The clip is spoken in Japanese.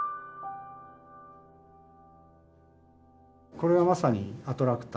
これはまさにアトラクター。